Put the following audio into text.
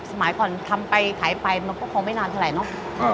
สมัยก่อนทำไปขายไปมันก็คงไม่นานเท่าไหร่เนอะ